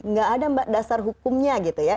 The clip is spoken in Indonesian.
nggak ada mbak dasar hukumnya gitu ya